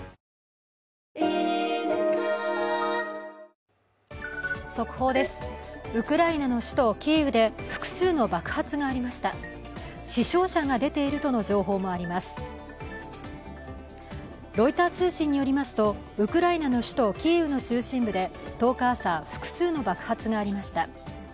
ロイター通信によりますと、ウクライナの首都キーウの中心部で１０日朝、複数の爆発がありました。